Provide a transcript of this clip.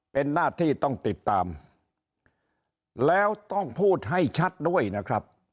เป็นหน้าที่ต้องติดตามแล้วต้องพูดให้ชัดด้วยนะครับ